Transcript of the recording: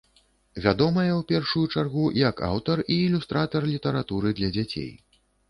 Вядомая ў першую чаргу як аўтар і ілюстратар літаратуры для дзяцей.